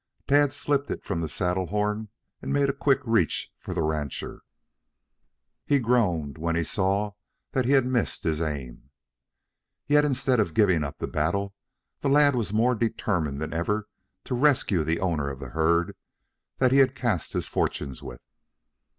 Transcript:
Tad slipped it from the saddle horn and made a quick reach for the rancher. He groaned when he saw that he had missed his aim. Yet, instead of giving up the battle, the lad was more determined than ever to rescue the owner of the herd that he had cast his fortunes with.